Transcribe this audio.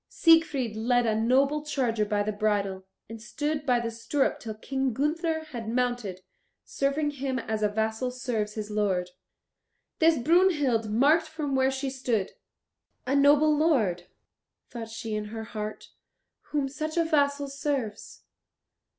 Siegfried led a noble charger by the bridle, and stood by the stirrup till King Gunther had mounted, serving him as a vassal serves his lord. This Brunhild marked from where she stood. "A noble lord," thought she in her heart, "whom such a vassal serves."